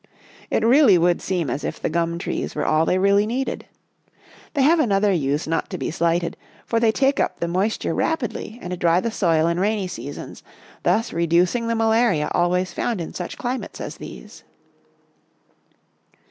It really would seem as if the gum trees were all they really needed. They have another use not to be slighted, for they take up the moisture rapidly and dry the soil in rainy seasons, thus reducing the malaria al ways found in such climates as these."